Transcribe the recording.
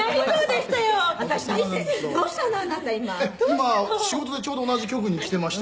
「今仕事でちょうど同じ局に来ていまして」